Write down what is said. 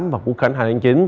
và quốc khánh hai tháng chín